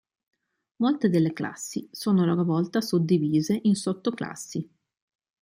Molte delle classi sono a loro volta suddivise in sottoclassi.